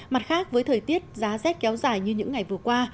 mặt khác với thời tiết giá rét kéo dài như những ngày vừa qua